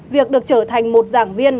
việc được trở thành một giảng viên